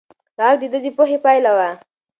دا غږ د ده د پوهې پایله وه.